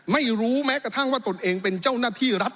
ไม่รู้แม้กระทั่งว่าตนเองเป็นเจ้าหน้าที่รัฐ